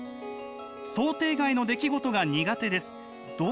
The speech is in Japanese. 「想定外の出来事が苦手です。